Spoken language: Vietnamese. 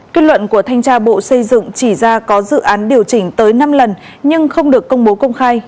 kết luận của thanh tra bộ xây dựng chỉ ra có dự án điều chỉnh tới năm lần nhưng không được công bố công khai